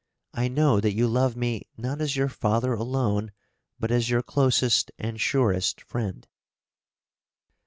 I know that you love me not as your father alone, but as your closest and surest friend.